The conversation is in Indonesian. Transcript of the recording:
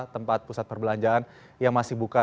tempat pusat perbelanjaan yang masih buka